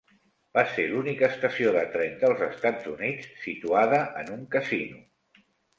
Va ser l'única estació de tren dels Estats Units situada en un casino.